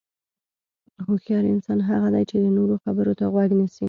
هوښیار انسان هغه دی چې د نورو خبرو ته غوږ نیسي.